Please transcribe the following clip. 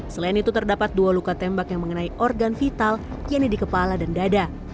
selain itu terdapat dua luka tembak yang mengenai organ vital yaitu di kepala dan dada